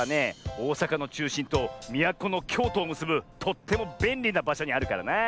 おおさかのちゅうしんとみやこのきょうとをむすぶとってもべんりなばしょにあるからなあ。